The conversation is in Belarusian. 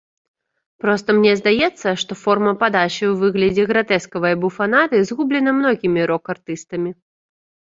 Проста мне здаецца, што форма падачы ў выглядзе гратэскавай буфанады згублена многімі рок-артыстамі.